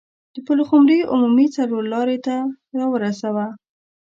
د پلخمري عمومي څلور لارې ته راورسوه.